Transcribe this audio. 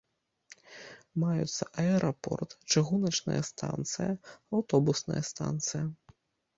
Маюцца аэрапорт, чыгуначная станцыя, аўтобусная станцыя.